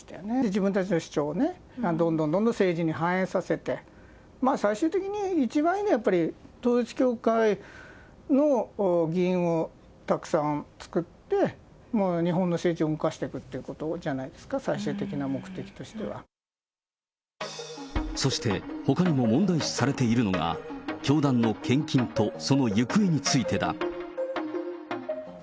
自分たちの主張をね、どんどんどんどん政治に反映させて、最終的に一番いいのは、やっぱり、統一教会の議員をたくさん作って、日本の政治を動かしていくということじゃないですか、最終的な目そして、ほかにも問題視されているのが、教団の献金と、その行方についてだ。